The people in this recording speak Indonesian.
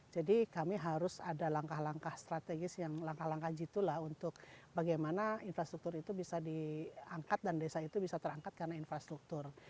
jadi kami harus ada langkah langkah strategis yang langkah langkah gitu lah untuk bagaimana infrastruktur itu bisa diangkat dan desa itu bisa terangkat karena infrastruktur